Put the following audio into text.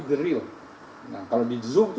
the real nah kalau di zoom itu